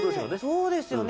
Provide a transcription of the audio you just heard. そうですよね。